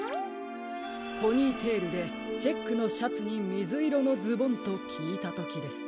ポニーテールでチェックのシャツにみずいろのズボンときいたときです。